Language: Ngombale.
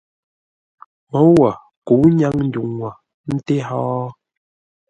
Môu wo kə̌u ńnyáŋ ndwuŋ wo ńté hó.